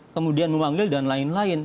kemudian memanggil dan lain lain